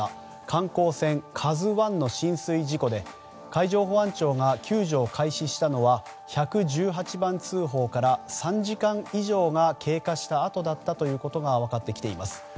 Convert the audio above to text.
観光船「ＫＡＺＵ１」の浸水事故で海上保安庁が救助を開始したのは１１８番通報から３時間以上が経過したあとだったことが分かってきています。